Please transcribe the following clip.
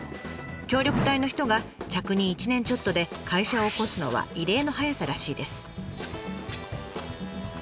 協力隊の人が着任１年ちょっとで会社をおこすのは異例の早さらしいです。